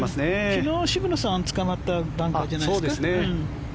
昨日渋野さんがつかまったバンカーじゃないですか。